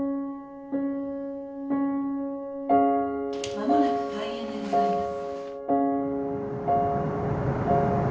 「間もなく開演でございます」。